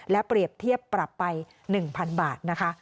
และเปรียบเทียบปรับไป๑๐๐๐บาทนะคะ